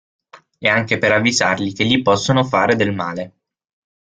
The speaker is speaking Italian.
E anche per avvisarli che gli possono fare del male.